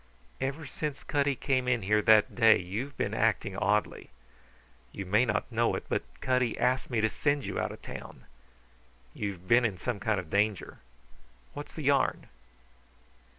Ever since Cutty came in here that day you've been acting oddly. You may not know it, but Cutty asked me to send you out of town. You've been in some kind of danger. What's the yarn?"